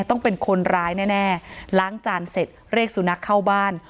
ต้องเป็นคนร้ายแน่ล้างจานเสร็จเรียกสุนัขเข้าบ้าน